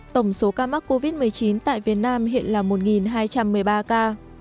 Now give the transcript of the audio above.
tổng số ca mắc covid một mươi chín tại việt nam hiện là một hai trăm một mươi ba ca